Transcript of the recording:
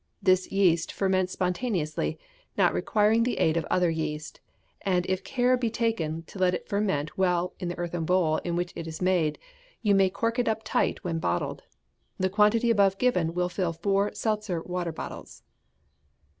This yeast ferments spontaneously, not requiring the aid of other yeast; and if care be taken to let it ferment well in the earthen bowl in which it is made, you may cork it up tight when bottled. The quantity above given will fill four seltzer water bottles.